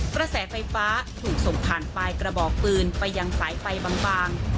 กระแสไฟฟ้าถูกส่งผ่านปลายกระบอกปืนไปยังสายไฟบาง